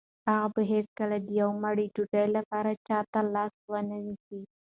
هغه به هیڅکله د یوې مړۍ ډوډۍ لپاره چا ته لاس ونه نیسي.